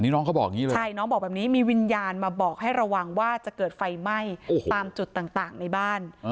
น้องก็บอกแบบนี้มีวิญญาณมาบอกให้ระวังว่าจะเกิดไฟไหม้ตามจุดต่างในบ้าน